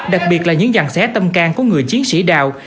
đặc biệt là những dàn xé tâm can của người chiến sĩ đào